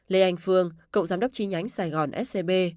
lê anh phương cựu giám đốc chi nhánh sài gòn scb